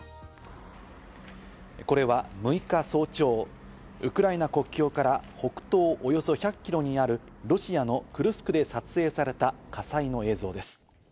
これは６日早朝、ウクライナ国境から北東およそ１００キロにあるロシアのクルスクで撮影された火災の映像です。